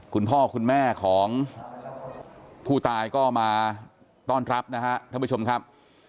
คุณพ่อคุณแม่ของผู้ตายก็มาต้อนรับนะฮะท่านผู้ชมครับ